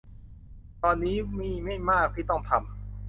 ตอนนี้มีไม่มากที่ต้องทำ